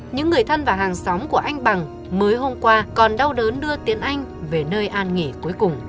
những người thân và hàng xóm của anh bằng mới hôm qua còn đau đớn đưa tiếng anh về nơi an nghỉ cuối cùng